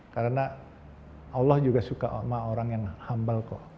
karena allah juga suka sama orang yang humble kok